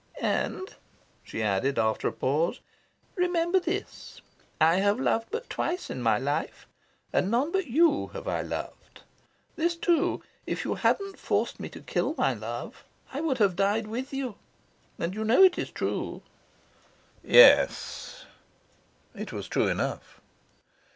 "And," she added, after a pause, "remember this. I have loved but twice in my life; and none but you have I loved. This, too: if you hadn't forced me to kill my love, I would have died with you. And you know it is true." "Yes." It was true enough.